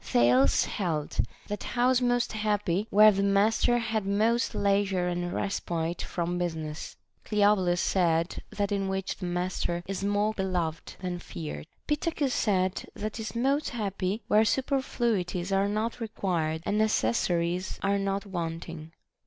Thales held that house most happy where the master had most leisure and respite from business. Cleobulus said, That in which the master is more beloved than feared. Pittacus said, That is most happy where superfluities are not required and necessa ries are not wanting.